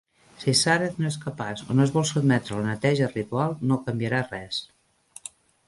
Si Sareth no és capaç o no es vol sotmetre a la neteja ritual, no canviarà res.